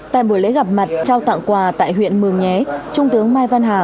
tại buổi lễ gặp mặt trao tặng quà tại huyện mường nhé trung tướng mai văn hà